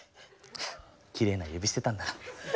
きれいな指してたんだ。